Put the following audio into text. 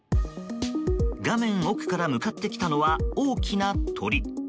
画面奥から向かってきたのは大きな鳥。